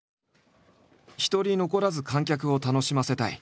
一人残らず観客を楽しませたい。